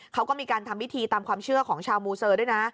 เขาก็มีการทำพิธีตามความเชื่อของชาวมูเซอร์ด้วยนะ